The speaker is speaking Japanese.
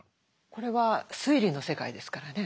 これは推理の世界ですからね。